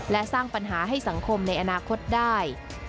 และสร้างปัญหาให้สังคมในอนาคตได้